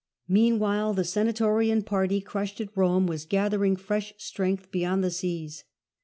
Meanwhile the Senatorian party, crushed at Rome, was gathering fresh strength beyond the seas.